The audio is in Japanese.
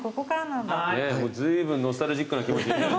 ずいぶんノスタルジックな気持ちに。